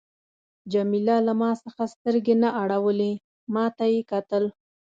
جميله له ما څخه سترګې نه اړولې، ما ته یې کتل.